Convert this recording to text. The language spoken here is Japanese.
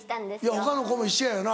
他の子も一緒やよな。